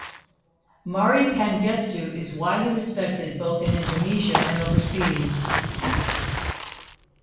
Mari Pangestu is widely respected both in Indonesia and overseas.